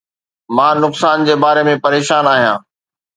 مان نقصان جي باري ۾ پريشان آهيان